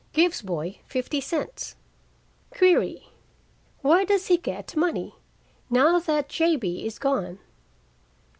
Gives boy fifty cents. Query. Where does he get money, now that J.B. is gone?